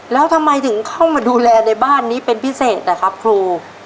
แล้วทำไมถึงเข้ามาดูแลในบ้านนี้เป็นพิเศษนะครับครู